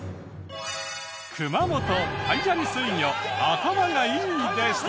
「熊本」「海砂利水魚」「頭がいい」でした。